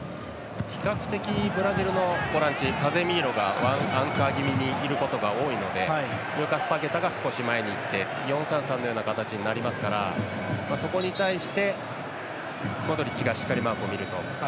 比較的ブラジルのボランチカゼミーロがワンアンカー気味にいることが多いのでルーカス・パケタが前にいって４‐３‐３のような形になりますからそこに対してモドリッチがマークを見ると。